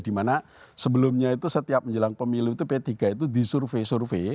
dimana sebelumnya itu setiap menjelang pemilu itu p tiga itu disurvey survei